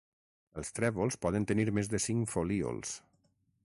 Els trèvols poden tenir més de cinc folíols.